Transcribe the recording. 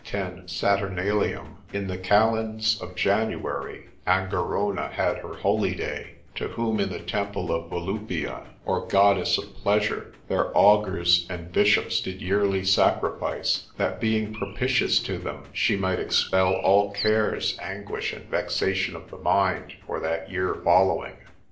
10. Saturnalium; In the calends of January, Angerona had her holy day, to whom in the temple of Volupia, or goddess of pleasure, their augurs and bishops did yearly sacrifice; that, being propitious to them, she might expel all cares, anguish, and vexation of the mind for that year following.